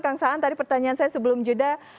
kang saan tadi pertanyaan saya sebelum jeda